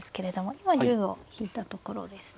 今竜を引いたところですね。